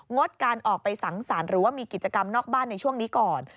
ดการออกไปสังสรรค์หรือว่ามีกิจกรรมนอกบ้านในช่วงนี้ก่อน